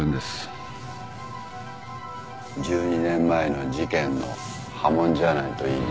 １２年前の事件の波紋じゃないといいな。